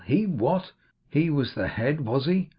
HE! What? He was the head, was he?